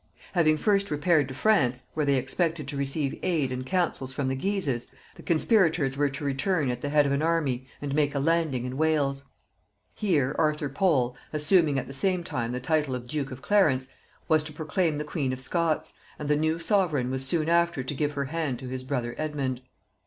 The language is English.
Having first repaired to France, where they expected to receive aid and counsels from the Guises, the conspirators were to return at the head of an army and make a landing in Wales. Here Arthur Pole, assuming at the same time the title of duke of Clarence, was to proclaim the queen of Scots, and the new sovereign was soon after to give her hand to his brother Edmund.